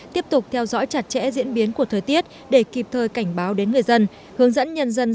tiếp tục theo dõi chặt chẽ diễn biến của thời tiết để kịp thời cảnh báo đến người dân